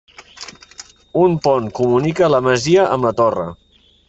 Un pont comunica la masia amb la torre.